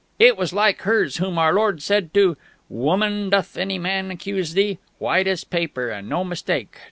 "It was like hers whom our Lord said to, 'Woman, doth any man accuse thee?' white as paper, and no mistake!